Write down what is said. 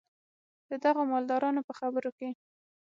د دغو مالدارانو په خبرو کې.